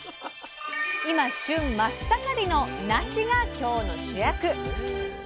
今旬真っ盛りの「なし」が今日の主役。